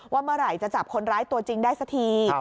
ว่าเมื่อไหร่จะจับคนร้ายตัวจริงได้สักที